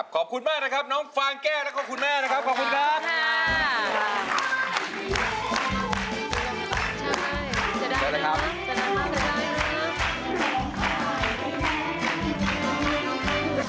ขอบคุณมากนะครับน้องฟางแก้วแล้วก็คุณแม่นะครับขอบคุณครับ